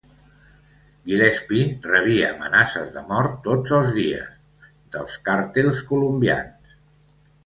Gillespie rebia amenaces de mort tots els dies dels càrtels colombians.